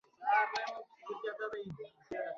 وروسته د وزیرانو په کچه موافقه لاسلیک کیږي